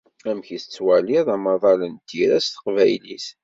Amek tettwaliḍ amaḍal n tira s Teqbaylit?